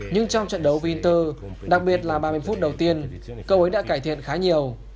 nhưng trong trận đấu với inter đặc biệt là ba mươi phút đầu tiên cậu ấy đã cải thiện khá nhiều